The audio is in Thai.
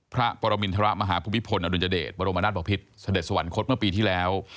พระปรมินทรมาฮภูมิพลอดุลยเดชบรมนาศบพิษเสด็จสวรรคตเมื่อปีที่แล้ว